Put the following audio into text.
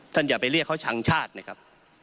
อย่าไปเรียกเขาชังชาตินะครับ